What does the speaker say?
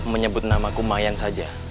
menyebut namaku mayan saja